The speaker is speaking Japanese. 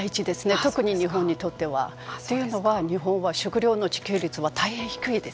特に日本にとっては。というのは日本は食料の自給率は大変低いです。